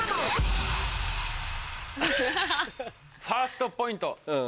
ファーストポイント。